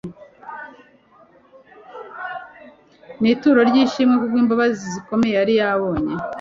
n’ituro ry’ishimwe ku bw’imbabazi zikomeye yari yabonye.